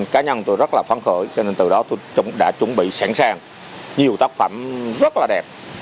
cá nhân tôi rất là phấn khởi cho nên từ đó tôi đã chuẩn bị sẵn sàng nhiều tác phẩm rất là đẹp